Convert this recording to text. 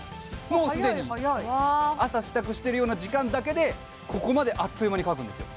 もう既に早い早い朝支度してるような時間だけでここまであっという間に乾くんですよ